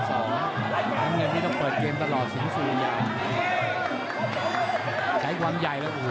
ต้องเปิดเกมตลอดสิงห์สุริยาใช้ความใหญ่แล้วโอ้โห